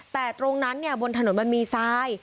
แต่ตรงนั้นบนถนนมันมีทราย